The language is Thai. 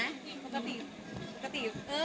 อืมอึดอัดไหมปกติ